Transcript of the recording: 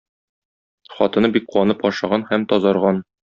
Хатыны бик куанып ашаган һәм тазарган.